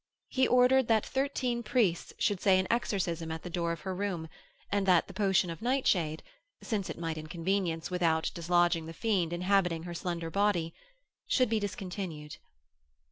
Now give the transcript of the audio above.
He ordered that thirteen priests should say an exorcism at the door of her room, and that the potion of nightshade since it might inconvenience without dislodging the fiend inhabiting her slender body should be discontinued.